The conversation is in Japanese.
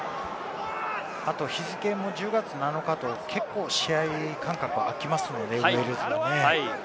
あと日付も１０月７日と結構、試合間隔が空きますので、ウェールズもね。